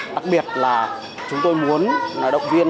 đặc biệt là chúng tôi muốn